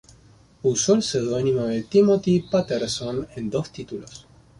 Usó el pseudónimo de Timothy Patterson en dos títulos.